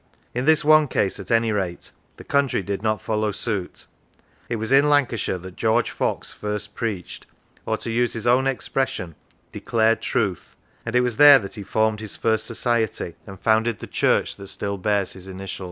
In this one case, at any rate, the country did not follow suit. It was in Lancashire that George Fox first preached, or, to use his own expression, " declared truth "; and it was there that he formed his first Society, and founded the church that still bears his initials.